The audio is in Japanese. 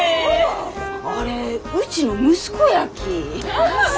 あれうちの息子やき。